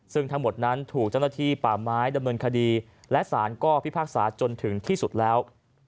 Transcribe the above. ซึ่งทั้งหมดนั้นถูกเจ้าหน้าที่ป่าไม้ดำเนินคดีและสารก็พิพากษาจนถึงที่สุดแล้ว